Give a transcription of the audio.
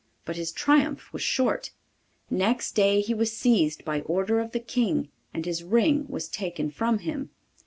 But his triumph was short. Next day he was seized by order of the King, and his ring was taken from him.